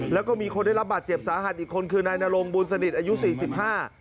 แล้วก็มีคนได้รับบาดเจ็บสาหัสอีกคนคือนายนรงบุญสนิทอายุสี่สิบห้า